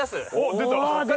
出た。